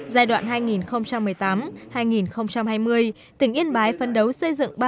giai đoạn hai nghìn một mươi tám hai nghìn hai mươi tỉnh yên bái phân đấu xây dựng ba mươi một xã